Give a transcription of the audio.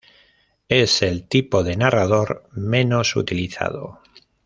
Es el tipo de narrador menos utilizado.